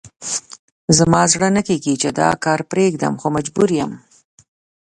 زما زړه نه کېږي چې دا کار پرېږدم، خو مجبور یم.